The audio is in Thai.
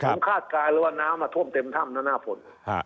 ผมคาดกลายว่าน้ำท่วมเต็มท่ำนั่นหน้าผล